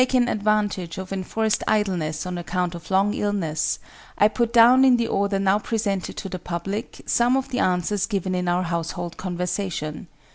] Taking advantage of enforced idleness on account of long illness, I put down in the order now presented to the public some of the answers given in our household conversation.